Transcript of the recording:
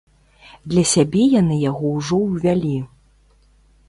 Для сябе яны яго ўжо ўвялі.